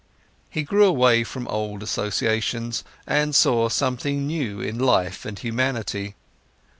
He grew away from old associations, and saw something new in life and humanity.